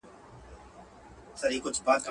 خو بېرېږم کار یې خره ته دی سپارلی.